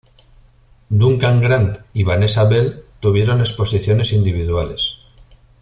Duncan Grant y Vanessa Bell, tuvieron exposiciones individuales.